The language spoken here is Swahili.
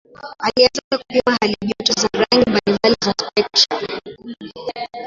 Alianza kupima halijoto za rangi mbalimbali za spektra.